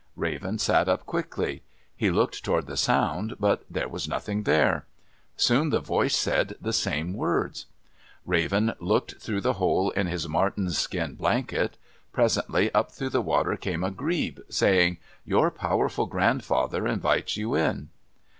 Raven sat up quickly. He looked toward the sound, but there was nothing there. Soon the voice said the same words. Raven looked through the hole in his marten's skin blanket. Presently up through the water came a grebe saying, "Your powerful grandfather invites you in."